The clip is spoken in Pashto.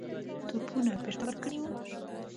توپونه بیرته ورکړي وه.